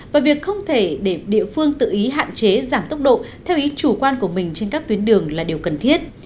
và việc không thể để địa phương tự ý hạn chế giảm tốc độ theo ý chủ quan của mình trên các tuyến đường là điều cần thiết